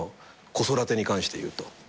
子育てに関していうと。